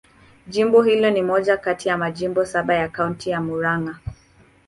Jimbo hili ni moja kati ya majimbo saba ya Kaunti ya Murang'a.